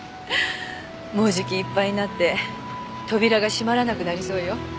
もうじきいっぱいになって扉が閉まらなくなりそうよ。